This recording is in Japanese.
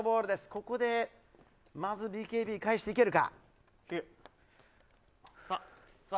ここでまずＢＫＢ返していけるか。